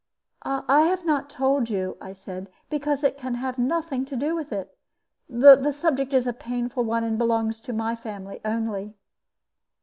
"I have not told you," I said, "because it can have nothing to do with it. The subject is a painful one, and belongs to my family only."